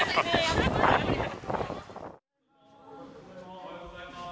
おはようございます。